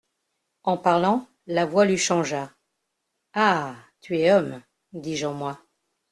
En parlant, la voix lui changea … «Ah ! tu es homme !» dis-je en moi.